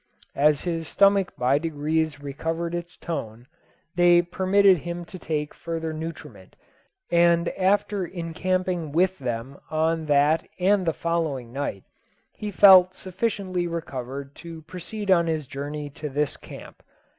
As his stomach by degrees recovered its tone, they permitted him to take further nutriment; and after encamping with them on that and the following night, he felt sufficiently recovered to proceed on his journey to this camp.